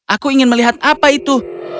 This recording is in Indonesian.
aku ingin melihat apa itu